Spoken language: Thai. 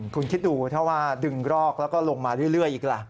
คุณคิดดูถ้าว่าดึงรอกแล้วก็ลงมาเรื่อยอีกล่ะ